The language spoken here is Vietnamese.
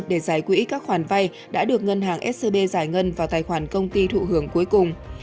để giải quỹ các khoản vay đã được ngân hàng scb giải ngân vào tài khoản công ty thụ hưởng cuối cùng